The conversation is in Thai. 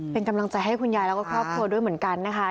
เป็นกำลังใจให้คุณยายแล้วก็ครอบครัวด้วยเหมือนกันนะคะ